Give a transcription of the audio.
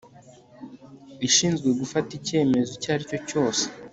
ishinzwe gufata icyemezo icyo ari cyo cyose